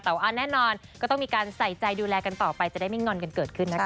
แต่ว่าแน่นอนก็ต้องมีการใส่ใจดูแลกันต่อไปจะได้ไม่งอนกันเกิดขึ้นนะคะ